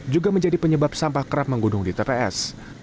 juga menjadi penyebab sampah kerap menggunung di tps